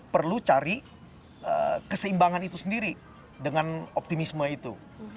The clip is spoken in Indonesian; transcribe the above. perlu cari keseimbangan itu sendiri dengan optimisme itu